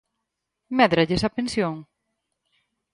¿Médralles a pensión?